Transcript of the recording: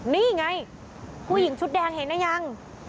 นี่ไงผู้หญิงชุดแดงเห็นหรือยัง